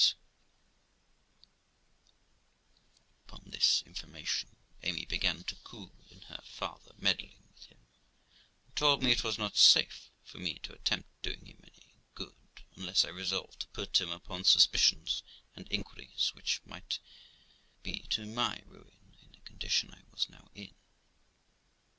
248 THE LIFE OF ROXANA Upon this information, Amy began to cool in her farther meddling with him, and told me it was not safe for me to attempt doing him any good, unless I resolved to put him upon suspicions and inquiries, which might be to my ruin in the condition I was now in.